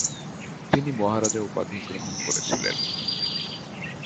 তিনি "মহারাজা" উপাধি গ্রহণ করেছিলেন।